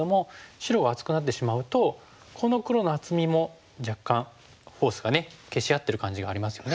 白が厚くなってしまうとこの黒の厚みも若干フォースが消し合ってる感じがありますよね。